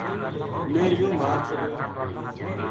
میں یوہ مار چھوڈیو‘‘